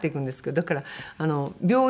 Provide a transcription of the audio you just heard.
だから病院。